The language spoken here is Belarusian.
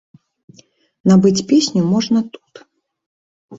Набыць песню можна тут.